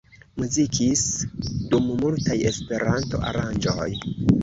Muzikis dum multaj Esperanto-aranĝoj.